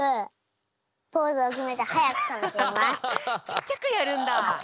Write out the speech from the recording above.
ちっちゃくやるんだ！